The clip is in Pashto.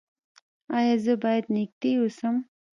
ایا زه باید نږدې اوسم؟